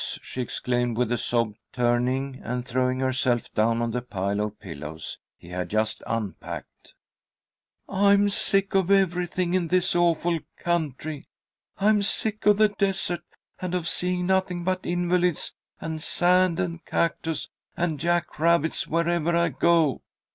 she exclaimed, with a sob, turning and throwing herself down on the pile of pillows he had just unpacked. "I'm sick of everything in this awful country! I'm sick of the desert, and of seeing nothing but invalids and sand and cactus and jack rabbits wherever I go.